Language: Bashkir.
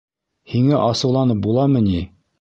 Һиңә асыуланып буламы ни?